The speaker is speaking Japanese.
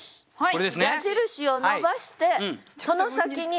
矢印を伸ばしてその先に。